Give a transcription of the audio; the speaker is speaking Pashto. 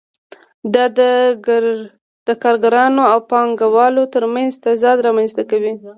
دا د کارګرانو او پانګوالو ترمنځ تضاد رامنځته کوي